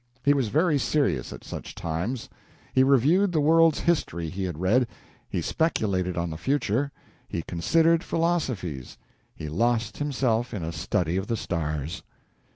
He was very serious at such times he reviewed the world's history he had read, he speculated on the future, he considered philosophies, he lost himself in a study of the stars.